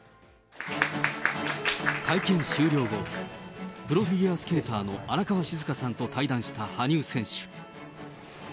会見終了後、プロフィギュアスケーターの荒川静香さんと対談した羽生選手。